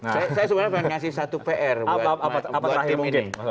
saya sebenarnya mau ngasih satu pr buat tim ini